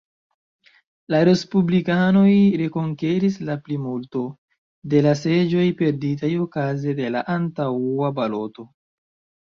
La respublikanoj rekonkeris la plimulto, de la seĝoj perditaj okaze de la antaŭa baloto.